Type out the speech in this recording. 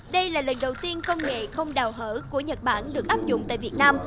đây là lần đầu tiên công nghệ không đào hở của nhật bản được áp dụng tại việt nam